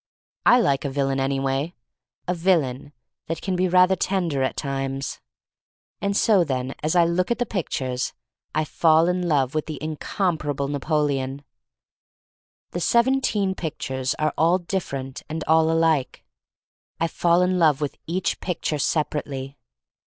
I like a villain anyway — a villain that can be rather tender at times. And so, then, as I look at the pictures I fall in love with the incomparable THE STORY OF MARY MAC LANE 253 Napoleon. The seventeen pictures are all different and all alike. I fall in love with each picture separately.